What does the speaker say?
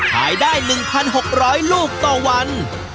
ขายได้หนึ่งพันหกร้อยลูกต่อวัน